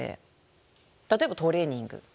例えばトレーニング。